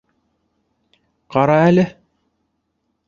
- Ҡара әле.